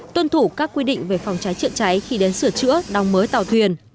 tuân thủ các quy định về phòng cháy chữa cháy khi đến sửa chữa đóng mới tàu thuyền